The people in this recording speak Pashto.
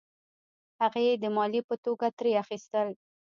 هغه یې د مالیې په توګه ترې اخیستل.